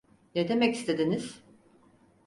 Ne demek istediniz?